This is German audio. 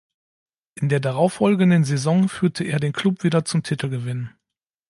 In der darauffolgenden Saison führte er den Club wieder zum Titelgewinn.